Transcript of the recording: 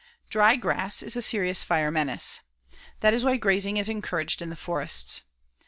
Dry grass is a serious fire menace. That is why grazing is encouraged in the forests.